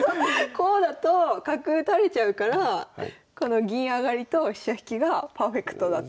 こうだと角打たれちゃうからこの銀上がりと飛車引きがパーフェクトだと。